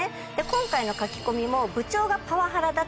今回の書き込みも「部長がパワハラだ」